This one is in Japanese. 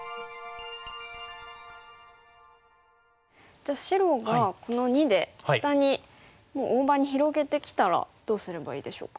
じゃあ白がこの②で下にもう大場に広げてきたらどうすればいいでしょうか？